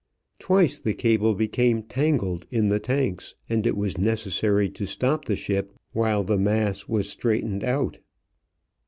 Twice the cable became tangled in the tanks and it was necessary to stop the ship while the mass was straightened out.